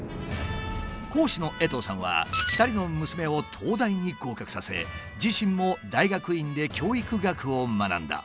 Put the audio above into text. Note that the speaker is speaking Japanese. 講師の江藤さんは２人の娘を東大に合格させ自身も大学院で教育学を学んだ。